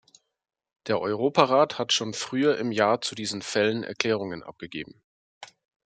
Der Europarat hat schon früher im Jahr zu diesen Fällen Erklärungen abgegeben.